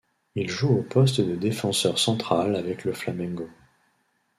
Il joue au poste de défenseur central avec le Flamengo.